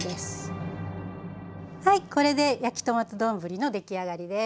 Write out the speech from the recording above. はいこれで「焼きトマト丼」のできあがりです。